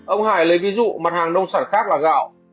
ông hải lấy ví dụ mặt hàng nông sản khác là gạo